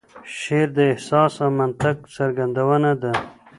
شعر د احساس او منطق څرګندونه ده.